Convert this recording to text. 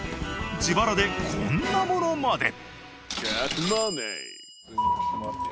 自腹でこんなものまで。